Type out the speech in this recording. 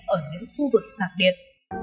ở những khu vực xạc điện